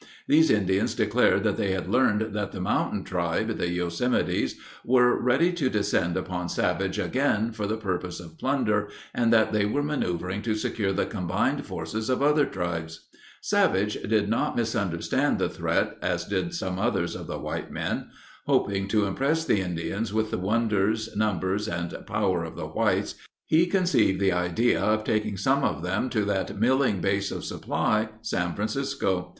These Indians declared that they had learned that the mountain tribe, the Yosemites, were ready to descend upon Savage again for the purpose of plunder and that they were maneuvering to secure the combined forces of other tribes. Savage did not misunderstand the threat, as did some others of the white men. Hoping to impress the Indians with the wonders, numbers, and power of the whites, he conceived the idea of taking some of them to that milling base of supply, San Francisco.